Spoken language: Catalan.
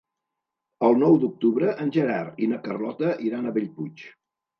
El nou d'octubre en Gerard i na Carlota iran a Bellpuig.